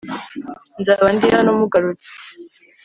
Nzaba ndi hano mugarutse